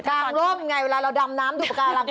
กลางร่มไงเวลาเราดำน้ำดูปากการัง